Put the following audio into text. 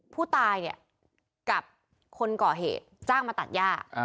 ผู้ตายกับคนเกาะเหตุจ้างมาตัดย่า